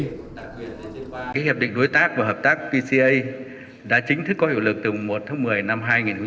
cái hiệp định đối tác và hợp tác pca đã chính thức có hiệu lực từ một tháng một mươi năm hai nghìn một mươi chín